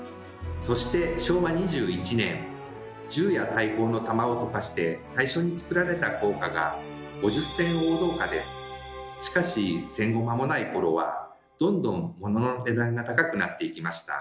そして昭和２１年銃や大砲の弾を溶かして最初につくられた硬貨がしかし戦後間もない頃はどんどんものの値段が高くなっていきました。